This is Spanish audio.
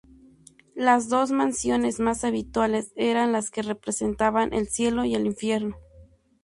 Las dos mansiones más habituales eran las que representaban el cielo y el infierno.